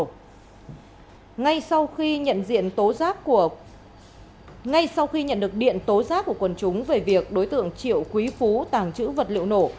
ngay sau khi nhận được điện tối giác của quân chúng về việc đối tượng triệu quý phú tàng trữ vật liệu nổ